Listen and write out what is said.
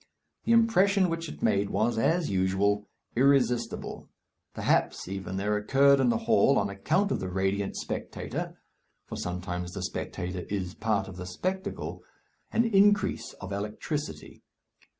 The impression which it made was, as usual, irresistible. Perhaps, even, there occurred in the hall, on account of the radiant spectator (for sometimes the spectator is part of the spectacle), an increase of electricity.